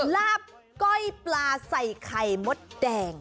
ลาบก้อยปลาใส่ไข่มดแดง